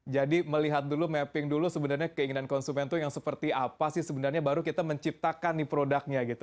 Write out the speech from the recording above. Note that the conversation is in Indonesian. jadi melihat dulu mapping dulu sebenarnya keinginan konsumen tuh yang seperti apa sih sebenarnya baru kita menciptakan di produknya gitu